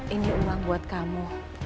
ini uang buat kamu